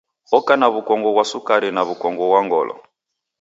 Oka na w'ukongo ghwa sukari na w'ukongo ghwa ngolo.